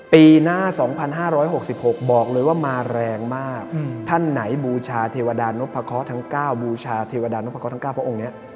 ปีหน้า๒๕๖๖บอกเลยว่ามาแรงมากท่านไหนบูชาเทวดานพะเคาะทั้ง๙บูชาเทวดานพเคาทั้ง๙พระองค์นี้